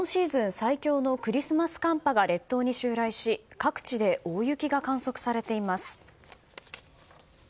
最強のクリスマス寒波が列島に襲来し各地で大雪が観測されています。